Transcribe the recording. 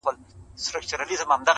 در جارېږمه سپوږمیه راته ووایه په مینه!